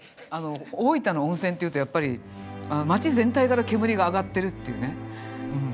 大分の温泉っていうとやっぱり町全体からけむりが上がってるっていうね。